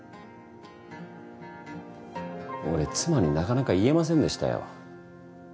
俺妻になかなか言えませんでしたよ。